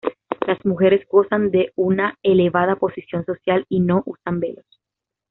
Las mujeres gozan de una elevada posición social y no usan velos.